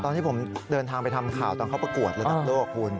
ตอนที่ผมเดินทางไปทำข่าวตอนเขาประกวดระดับโลกคุณ